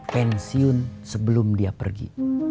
pensiun sebelum dia pergi